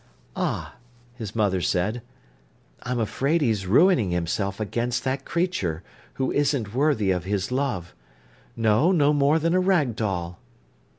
"Ay," his mother said, "I'm afraid he's ruining himself against that creature, who isn't worthy of his love—no, no more than a rag doll."